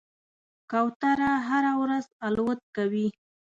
کوتره هره ورځ الوت کوي.